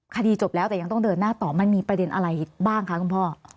คดีจบแล้วแต่ยังต้องเดินหน้าต่อมันมีประเด็นอะไรบ้างคะคุณพ่อ